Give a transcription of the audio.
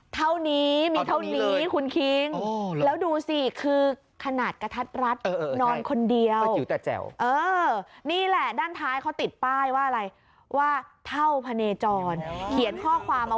เท่านี้มีเท่านี้คุณคิง